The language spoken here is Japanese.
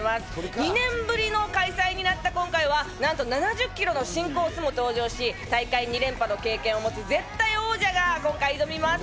２年ぶりの開催になった今回は何と７０ｋｍの新コースも登場し、大会２連覇の経験を持つ絶対王者が今回挑みます。